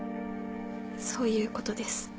そういうことです。